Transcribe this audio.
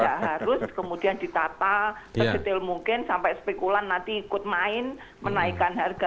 ya harus kemudian ditata sedetil mungkin sampai spekulan nanti ikut main menaikkan harga